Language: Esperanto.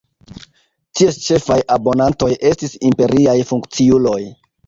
Ties ĉefaj abonantoj estis imperiaj funkciuloj.